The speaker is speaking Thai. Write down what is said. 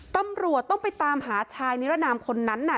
ตำรวจต้องไปตามหาชายนิรนามคนนั้นน่ะ